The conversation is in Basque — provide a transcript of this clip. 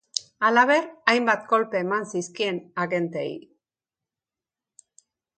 Halaber, hainbat kolpe eman zizkien agenteei.